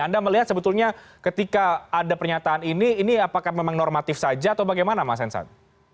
anda melihat sebetulnya ketika ada pernyataan ini ini apakah memang normatif saja atau bagaimana mas hensan